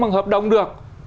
bằng hợp đồng được